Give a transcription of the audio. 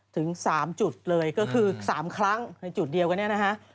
ถึง๓จุดเลยก็คือ๓ครั้งในจุดเดียวกันเนี่ยนะฮะ